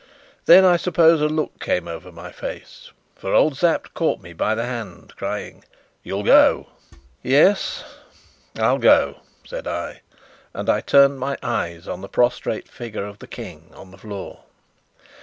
Then I suppose a look came over my face, for old Sapt caught me by the hand, crying: "You'll go?" "Yes, I'll go," said I, and I turned my eyes on the prostrate figure of the King on the floor.